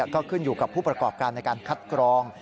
ก็ขึ้นอยู่กับผู้ประกอบการในการคัดกรอง